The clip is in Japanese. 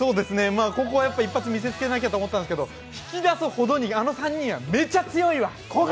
ここは一発見せつけなきゃなと思ったんですけど、引き出すほどにあの３人めちゃ強いよ。